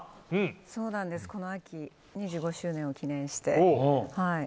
そうなんです、この秋２５周年を記念して。